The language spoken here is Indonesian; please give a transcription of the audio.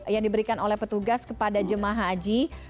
yang diberikan oleh petugas kepada jemaah haji